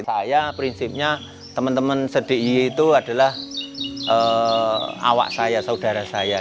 saya prinsipnya teman teman sediy itu adalah awak saya saudara saya